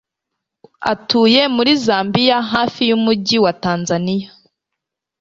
atuye muri zambiya hafi yumugi watanzaniya